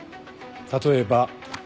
例えば。